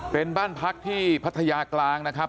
เป็นบ้านพักที่พัทยากลางนะครับ